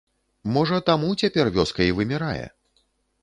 Можа таму цяпер вёска і вымірае?